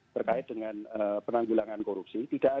berkait dengan penanggulangan korupsi